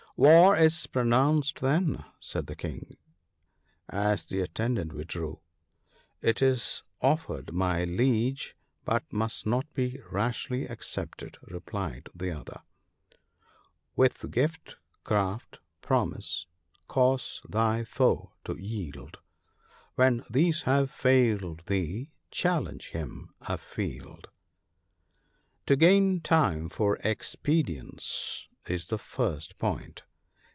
" War is pronounced, then," said the King, as the at tendant withdrew. "It is offered, my Liege ; but must not be rashly accepted," replied the other —" With gift, craft, promise, cause thy foe to yield ; When these have failed thee, challenge him a field." To gain time for expedients is the first point.